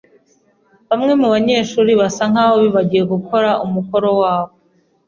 Bamwe mubanyeshuri basa nkaho bibagiwe gukora umukoro wabo.